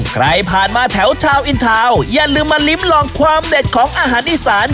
ใครผ่านมาแถวทาวนอินทาวน์อย่าลืมมาลิ้มลองความเด็ดของอาหารอีสาน